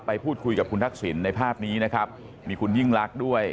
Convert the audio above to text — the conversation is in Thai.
พูดคุยกับคุณทักษิณในภาพนี้นะครับมีคุณยิ่งลักษณ์ด้วย